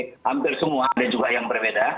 hampir semua ada juga yang berbeda